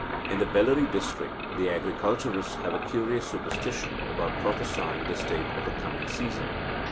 In the Bellary district, the agriculturists have a curious superstition about prophesying the state of the coming season.